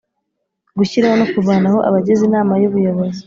Gushyiraho no kuvanaho abagize inama y ubuyobozi